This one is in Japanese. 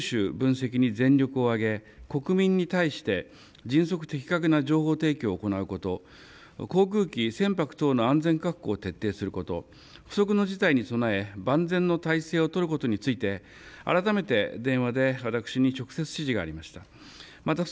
また総理とは緊密に連絡を取り合い、情報収集、分析に全力を挙げ国民に対して迅速・的確な情報提供を行うこと、航空機、船舶等の安全確保を徹底すること、不測の事態に備え万全の態勢を取ることについて改めて電話で私に直接、指示がありました。